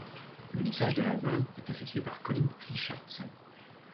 Le mixage de l'album est effectué par Colin Richardson.